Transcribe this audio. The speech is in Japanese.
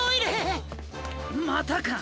またか。